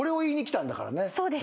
そうです。